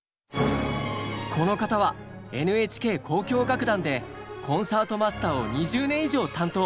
この方はＮＨＫ交響楽団でコンサートマスターを２０年以上担当。